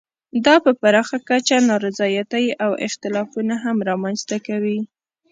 دا په پراخه کچه نا رضایتۍ او اختلافونه هم رامنځته کوي.